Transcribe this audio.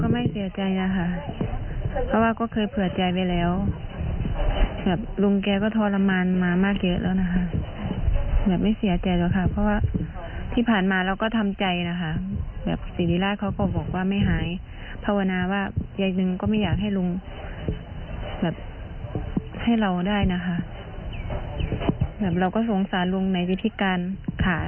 แบบให้เราได้นะคะแบบเราก็สงสารลงในพิธีการค่ะ